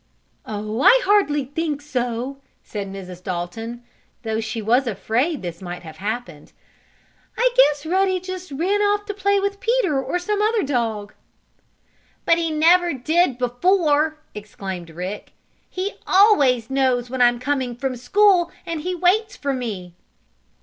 "Oh, I hardly think so," said Mrs. Dalton, though she was afraid this might have happened. "I guess Ruddy just ran off to play with Peter, or some other dog." "But he never did it before!" exclaimed Rick. "He always knows when I'm coming from school and he waits for me."